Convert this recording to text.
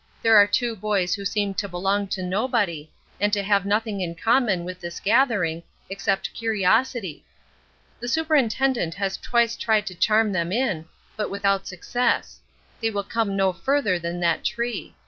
There are two boys who seem to belong to nobody, and to have nothing in common with this gathering, except curiosity. The superintendent has twice tried to charm them in, but without success they will come no further than that tree.